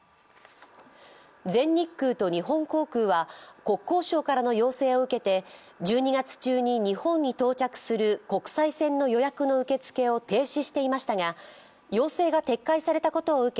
全日空と日本航空は国交省からの要請を受けて、１２月中に日本に到着する国際線の予約の受付を停止していましたが、要請が撤回されたことを受け